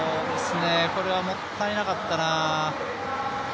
これはもったいなかったな。